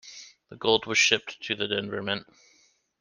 The gold was shipped to the Denver Mint.